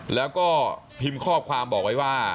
แล้วก็พิมพ์ข้อความบอกไว้ว่า